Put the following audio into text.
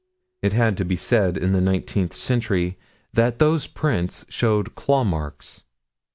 It had to be said in the nineteenth century that those prints showed claw marks.